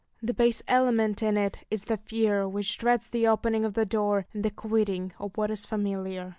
The base element in it is the fear which dreads the opening of the door, and the quitting of what is familiar.